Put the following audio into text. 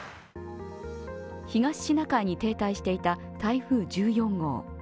東シナ海に停滞していた台風１４号。